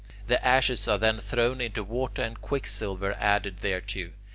The ashes are then thrown into water and quicksilver added thereto.